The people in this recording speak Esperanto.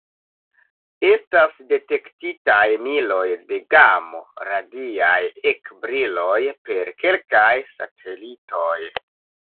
Estas detektitaj miloj de gamo-radiaj ekbriloj per kelkaj satelitoj.